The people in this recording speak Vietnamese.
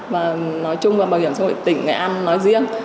và nói chung và bảo hiểm xã hội tỉnh nghệ an nói riêng